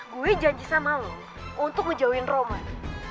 gue janji sama lo untuk menjauhin roman